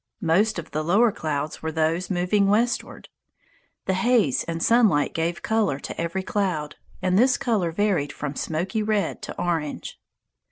Most of the lower clouds were those moving westward. The haze and sunlight gave color to every cloud, and this color varied from smoky red to orange.